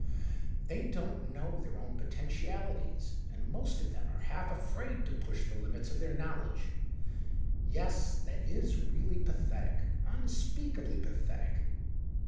" They don't know their own potentialities. .Vnd most of them are half afraid to push the limits of their knowledge. Yes, that is really pathetic — unspeakably pathetic."